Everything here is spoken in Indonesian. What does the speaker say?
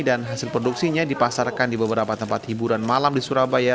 dan hasil produksinya dipasarkan di beberapa tempat hiburan malam di surabaya